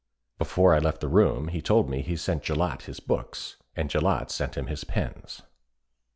(Before I left the room he told me he sent Gillott his books, and Gillott sent him his pens.)